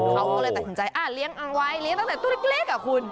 เขาก็เลยตัดสินใจเลี้ยงเอาไว้เลี้ยงตั้งแต่ตัวเล็กอ่ะคุณ